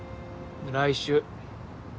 来週。